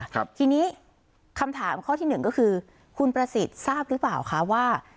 ครับทีนี้คำถามข้อที่หนึ่งก็คือคุณประสิทธิ์ทราบหรือเปล่าคะว่า